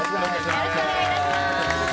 よろしくお願いします。